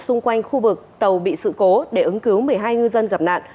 xung quanh khu vực tàu bị sự cố để ứng cứu một mươi hai ngư dân gặp nạn